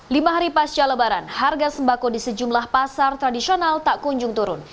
lima hari pasca lebaran harga sembako di sejumlah pasar tradisional tak kunjung turun